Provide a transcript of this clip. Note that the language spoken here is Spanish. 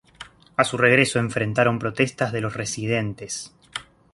A su regreso enfrentaron protestas de los residentes.